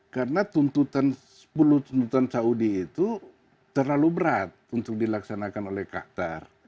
karena sepuluh tuntutan saudi itu terlalu berat untuk dilaksanakan oleh qatar